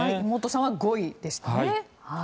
妹さんは５位でしたね。